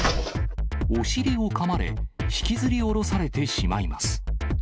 お尻をかまれ、引きずり下ろされてしまいます。